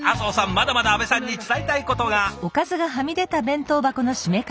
まだまだ阿部さんに伝えたいことが。